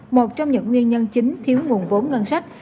một trong những nguyên nhân chính thiếu nguồn vốn ngân sách